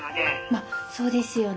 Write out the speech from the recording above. まっそうですよね。